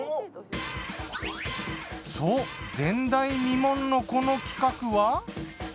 そう前代未聞のこの企画は。